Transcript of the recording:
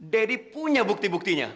daddy punya bukti buktinya